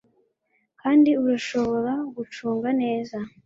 kandi urashobora gucunga neza